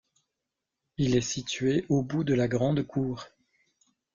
Il est situé au bout de la grande cour.